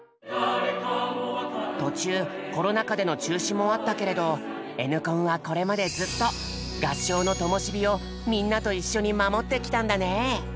途中コロナ禍での中止もあったけれど「Ｎコン」はこれまでずっと合唱のともし火をみんなと一緒に守ってきたんだね。